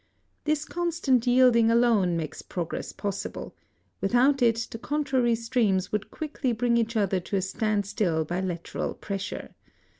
This constant yielding alone makes progress possible: without it the contrary streams would quickly bring each other to a standstill by lateral pressure.